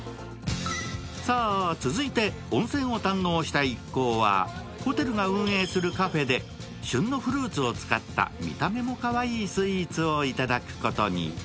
さぁ、続いて温泉を堪能した一行は、ホテルが運営するカフェで旬のフルーツを使った見た目もかわいいスイーツをいただくことに。